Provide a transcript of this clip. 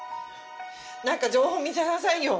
何か情報見せなさいよ！